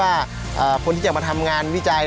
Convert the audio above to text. แล้วก็สองก็คือโรคขี้เปื่อยหางเปื่อยเหือกเปื่อยเหรอ